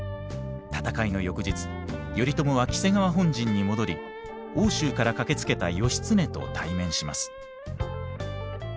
戦いの翌日頼朝は黄瀬川本陣に戻り奥州から駆けつけた義経と対面します。